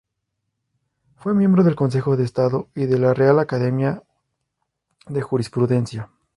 Fue miembro del Consejo de Estado y de la Real Academia de Jurisprudencia.